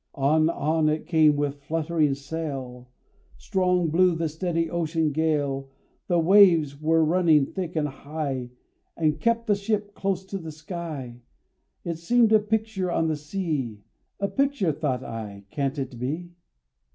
On, on it came with fluttering sail, Strong blew the steady ocean gale. The waves were running thick and high, And kept the ship close to the sky; It seemed a picture on the sea, "A picture," thought I, "can it be?"